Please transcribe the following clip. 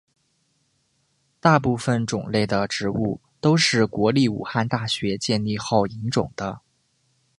大部分种类的植物都是国立武汉大学建立后引种的。